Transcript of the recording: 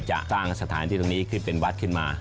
จะสร้างสถานที่ตรงนี้ขึ้นเป็นวัดขึ้นมา